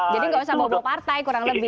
jadi nggak usah bobo partai kurang lebih